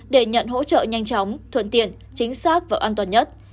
để nhận hỗ trợ nhanh chóng thuận tiện chính xác và an toàn nhất